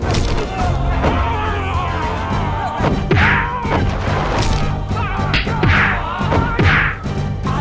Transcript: aku menyentuh mereka